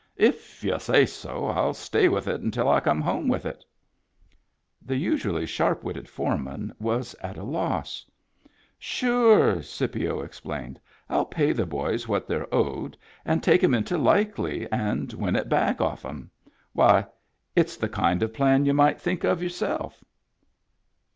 " If y'u say so, I'll stay with it till I come home with it" The usually sharp witted foreman was at a loss. " Sure !" Scipio explained. " 111 pay the boys what they're owed, and take 'em into Likely and win it back off 'em. Why, it's the kind of plan y'u might think of yourself."